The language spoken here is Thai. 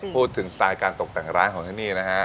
สไตล์การตกแต่งร้านของที่นี่นะฮะ